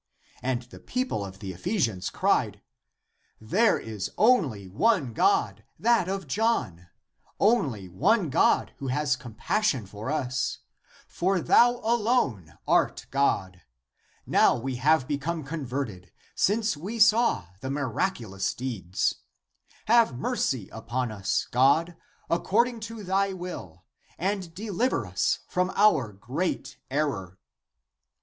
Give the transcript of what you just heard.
And the people of the Ephesians cried, " There is only one God, that of John, only one God who has com passion for us ; for thou alone art God ; now we have become converted, since we saw the miraculous ACTS OF JOHN 151 deeds. Have mercy upon us, God, according to thy will, and deliver us from our great error."